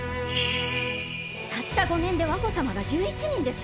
たった５年で和子様が１１人ですぞ！